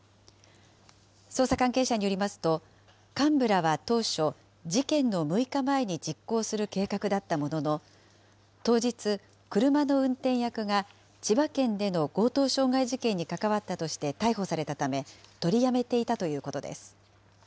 捜査関係者によりますと、幹部らは当初、事件の６日前に実行する計画だったものの、当日、車の運転役が千葉県での強盗傷害事件に関わったとして逮捕されたため、取りやめていたということです。